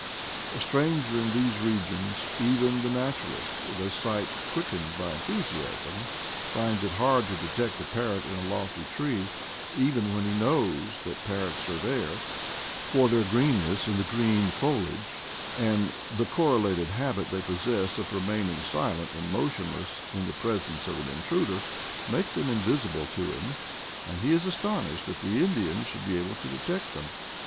A stranger in these regions, even the natural ist with a sight quickened by enthusiasm, finds it hard to detect a parrot in a lofty tree, even when he knows that parrots are there; for their green ness in the green foliage, and the correlated habit they possess of remaining silent and motionless in the presence of an intruder, make them invisible to him, and he is astonished that the Indian should be able to detect them.